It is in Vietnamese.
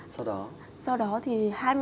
sau đó thì hai mình đã về thái bình rồi